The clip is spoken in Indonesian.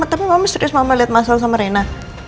tapi mama serius mama liat masalah sama rena